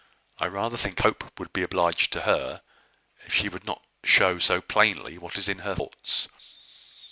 I rather think Hope would be obliged to her if she would not show so plainly what is in her thoughts.